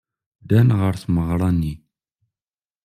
Ddan ɣer tmeɣra-nni.